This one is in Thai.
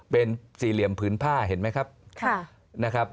เป็นสี่เหลี่ยมพื้นผ้าเห็นไหมครับ